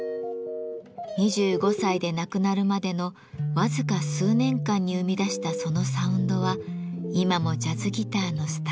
２５歳で亡くなるまでの僅か数年間に生み出したそのサウンドは今もジャズギターのスタンダードです。